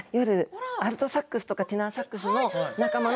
アルトサックスとかテナーサックスの仲間。